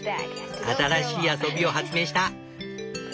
新しい遊びを発明した。